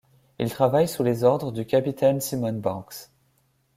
Il travaille sous les ordres du capitaine Simon Banks.